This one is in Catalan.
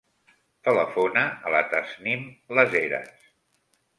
Telefona a la Tasnim Las Heras.